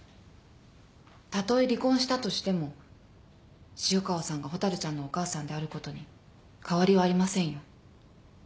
たとえ離婚したとしても潮川さんがほたるちゃんのお母さんであることに変わりはありませんよ。